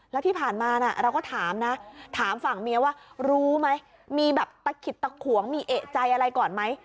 แล้วที่ผ่านมาเราก็ถามนะถามฝั่งเมียว่ารู้ไหมมีแบบตะขิดตะขวงมีเอกใจอะไรก่อนไหม